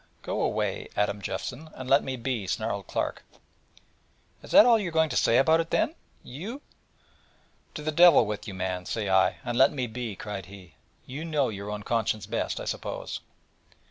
'Go away, Adam Jeffson, and let me be!' snarled Clark. 'Is that all you've got to say about it, then you?' 'To the devil with you, man, say I, and let me be!' cried he: 'you know your own conscience best, I suppose.'